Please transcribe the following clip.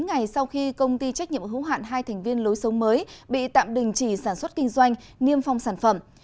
ngày sau khi công ty trách nhiệm hữu hạn hai thành viên lối sống mới bị tạm đình chỉ sản xuất kinh doanh niêm phong sản phẩm